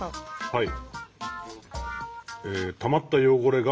はい。